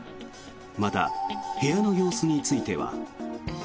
また、部屋の様子については。